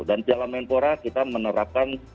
dan piala menpora kita menerapkan